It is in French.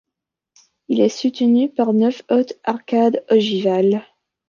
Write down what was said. Il est soutenu par neuf hautes arcades ogivales.